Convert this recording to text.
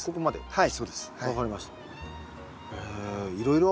はい。